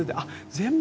全部